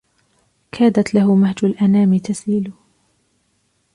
كادت له مهج الأنام تسيل